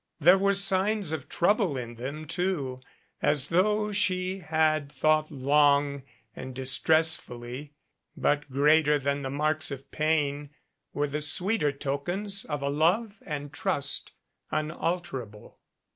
There were signs of trouble in them, too, as though she had thought long and distressfully, but greater than the marks of pain were the sweeter tokens of a love and trust unalterable.